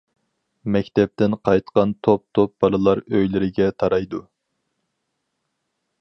مەكتەپتىن قايتقان توپ - توپ بالىلار ئۆيلىرىگە تارايدۇ.